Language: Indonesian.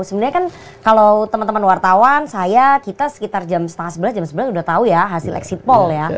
sebenarnya kan kalau teman teman wartawan saya kita sekitar jam setengah sebelas jam sebenarnya sudah tahu ya hasil exit poll ya